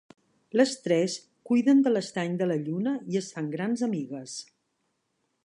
Les tres cuiden de l'estany de la lluna i es fan grans amigues.